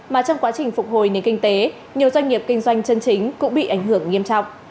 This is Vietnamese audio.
mà trong quá trình phục hồi nền kinh tế nhiều doanh nghiệp kinh doanh chân chính cũng bị ảnh hưởng nghiêm trọng